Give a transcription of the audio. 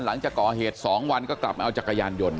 หลังจากก่อเหตุ๒วันก็กลับมาเอาจักรยานยนต์